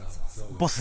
ボス